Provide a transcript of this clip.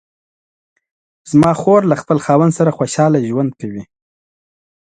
زما خور له خپل خاوند سره خوشحاله ژوند کوي